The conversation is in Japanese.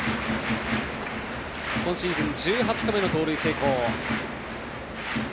今シーズン１８個目の盗塁成功。